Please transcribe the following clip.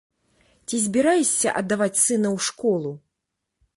Ці збіраешся аддаваць сына ў школу?